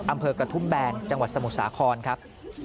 อำเภอกระทุ่มแบนจังหวัดสมุทรสาครครับ